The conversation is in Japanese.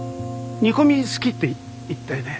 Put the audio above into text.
煮込み好きって言ったよね？